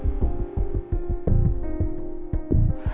waalaikumsalam orang motor